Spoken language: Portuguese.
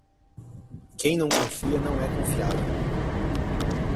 Quem não confia não é confiável.